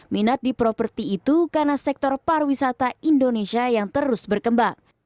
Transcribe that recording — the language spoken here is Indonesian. minat di properti itu karena sektor pariwisata indonesia yang terus berkembang